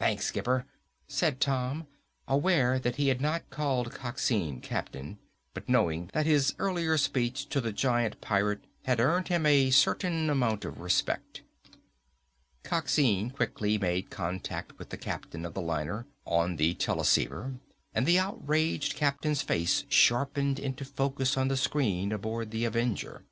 "Thanks, skipper," said Tom, aware that he had not called Coxine captain, but knowing that his earlier speech to the giant pirate had earned him a certain amount of respect. Coxine quickly made contact with the captain of the liner on the teleceiver and the outraged captain's face sharpened into focus on the screen aboard the Avenger.